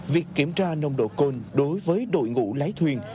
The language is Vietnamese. việc kiểm tra nông độ côn đối với đội ngũ lái thuyền